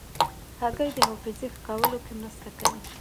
هګۍ د حافظې ښه کولو کې مرسته کوي.